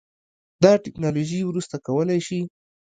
دا ټیکنالوژي وروسته کولی شي